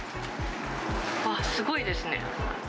うわっ、すごいですね。